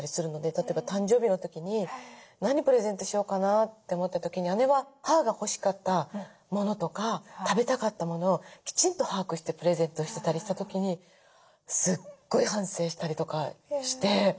例えば誕生日の時に何プレゼントしようかなって思った時に姉は母が欲しかった物とか食べたかった物をきちんと把握してプレゼントをしてたりした時にすっごい反省したりとかして。